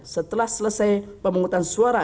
setelah selesai pemungutan suara